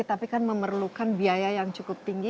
tapi kan memerlukan biaya yang cukup tinggi